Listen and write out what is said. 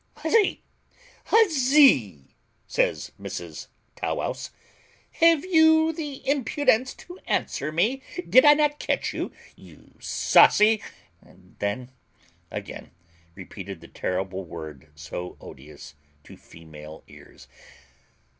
"Huzzy, huzzy," says Mrs Tow wouse, "have you the impudence to answer me? Did I not catch you, you saucy" and then again repeated the terrible word so odious to female ears.